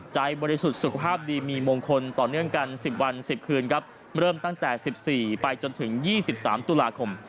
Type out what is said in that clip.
บริสุทธิ์สุขภาพดีมีมงคลต่อเนื่องกัน๑๐วัน๑๐คืนครับเริ่มตั้งแต่๑๔ไปจนถึง๒๓ตุลาคม